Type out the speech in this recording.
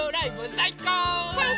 さいこう！